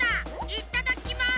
いっただきます！